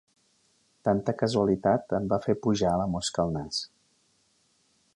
Tanta casualitat em va fer pujar la mosca al nas.